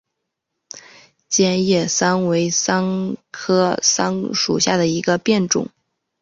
戟叶桑为桑科桑属下的一个变种。